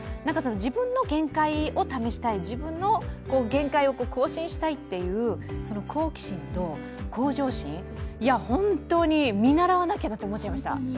自分の限界を試したい、自分の限界を更新したいという好奇心と向上心、本当に見習わなきゃなと思いました。